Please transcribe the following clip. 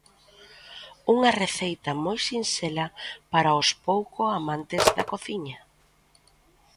Unha receita moi sinxela para os pouco amantes da cociña.